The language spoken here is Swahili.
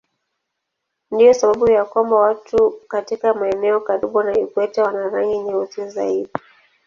Ndiyo sababu ya kwamba watu katika maeneo karibu na ikweta wana rangi nyeusi zaidi.